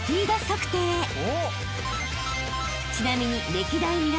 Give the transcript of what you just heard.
［ちなみに］